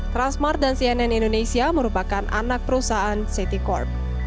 transmart dan cnn indonesia merupakan anak perusahaan city corp